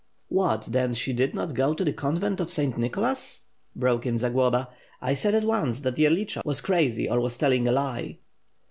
'" "What then she did not go to the convent of Saint Nicholas?" broke in Zagloba. "I said at once that Yerlicha was crazy or was telling a lie."